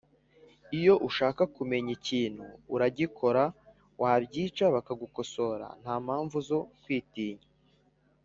Iyo ushaka kumenya ikintu uragikora wabyica bakagukosoro nta mpamvu zo kwitinya